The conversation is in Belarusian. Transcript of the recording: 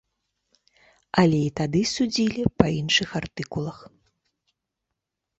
Але і тады судзілі па іншых артыкулах.